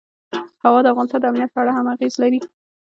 هوا د افغانستان د امنیت په اړه هم اغېز لري.